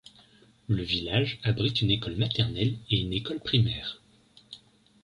Le village abrite une école maternelle et une école primaire.